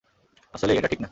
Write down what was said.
আসলেই -এটা ঠিক না।